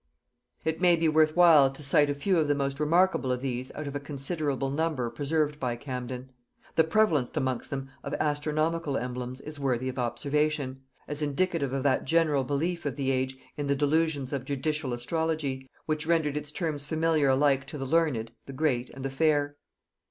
It may be worth while to cite a few of the most remarkable of these out of a considerable number preserved by Camden. The prevalence amongst them of astronomical emblems is worthy of observation, as indicative of that general belief of the age in the delusions of judicial astrology, which rendered its terms familiar alike to the learned, the great, and the fair.